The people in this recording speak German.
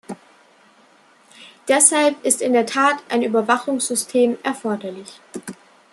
Deshalb ist in der Tat ein Überwachungssystem erforderlich.